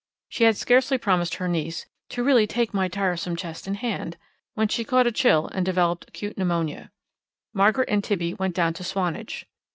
She had scarcely promised her niece "to really take my tiresome chest in hand," when she caught a chill and developed acute pneumonia. Margaret and Tibby went down to Swanage.